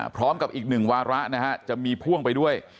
พร้อมกับอีกหนึ่งวาระนะฮะจะมีพ่วงไปด้วย